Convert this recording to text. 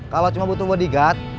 kalau cuma butuh bodyguard